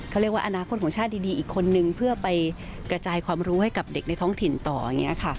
คนนึงเพื่อไปกระจายความรู้ให้กับเด็กในท้องถิ่นต่ออย่างนี้ค่ะ